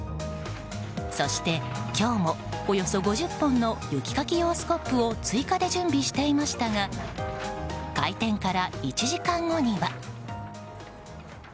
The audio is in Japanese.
そして今日もおよそ５０本の雪かき用スコップを追加で準備していましたが開店から１時間後には。